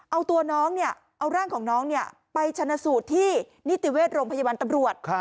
เอาร่างของน้องไปชนสูตรที่นิติเวชโรงพยาบาลตำรวจ